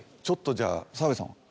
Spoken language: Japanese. ちょっとじゃあ澤部さん。